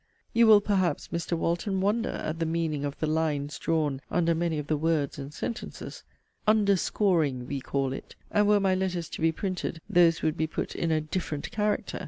You will perhaps, Mr. Walton, wonder at the meaning of the 'lines drawn under many of the words and sentences,' (UNDERSCORING we call it;) and were my letters to be printed, those would be put in a 'different character.'